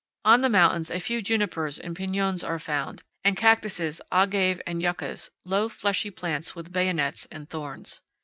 On the mountains a few junipers and piñons are found, and cactuses, agave, and yuccas, low, fleshy plants with bayonets and thorns.